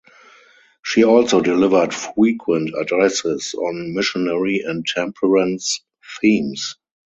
She also delivered frequent addresses on missionary and temperance themes.